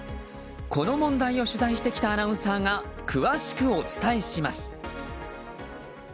この問題を取材してきたアナウンサーが詳しくお伝えします。